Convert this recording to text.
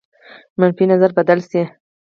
منفي نظر بدل شي.